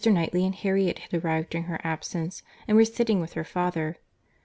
Knightley and Harriet had arrived during her absence, and were sitting with her father.